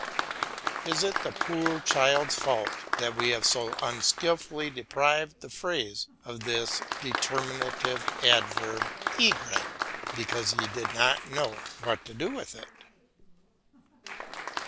Is it the poor child's fault that we have so unskilfully deprived the phrase of this determinative adverb "y," because we did not know what to do with it?